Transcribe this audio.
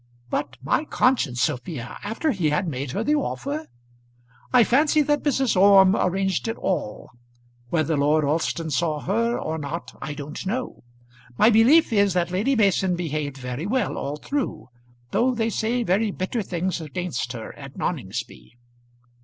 "But, my conscience, Sophia after he had made her the offer!" "I fancy that Mrs. Orme arranged it all. Whether Lord Alston saw her or not I don't know. My belief is that Lady Mason behaved very well all through, though they say very bitter things against her at Noningsby."